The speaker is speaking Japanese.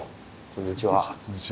こんにちは。